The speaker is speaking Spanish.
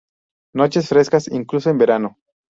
Noches frescas incluso en verano.